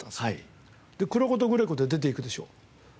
で「クロ子とグレ子」で出て行くでしょ。